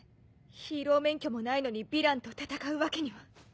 ヒーロー免許もないのにヴィランと戦うわけには。